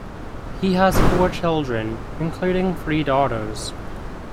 He has four children, including three daughters.